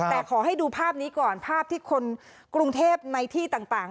แต่ขอให้ดูภาพนี้ก่อนภาพที่คนกรุงเทพในที่ต่าง